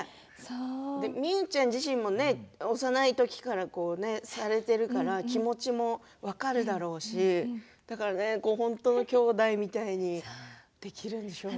望生ちゃん自身も幼い時からされているから気持ちも分かるだろうし本当のきょうだいみたいにできるんでしょうね。